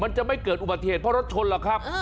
จะไม่เกิดอุบัติเหตุเพราะรถชนหรอกครับ